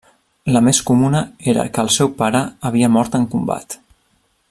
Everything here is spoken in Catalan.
La més comuna era que el seu pare havia mort en combat.